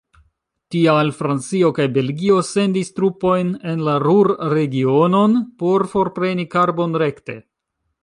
Tial Francio kaj Belgio sendis trupojn en la Ruhr-regionon por forpreni karbon rekte.